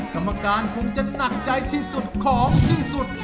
กรรมการคงจะหนักใจที่สุดของที่สุด